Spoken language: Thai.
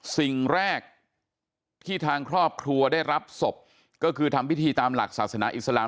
สิ่งแรกที่ทางครอบครัวได้รับศพก็คือทำพิธีตามหลักศาสนาอิสลาม